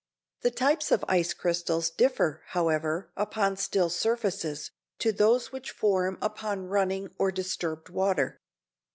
The types of ice crystals differ, however, upon still surfaces, to those which form upon running or disturbed water.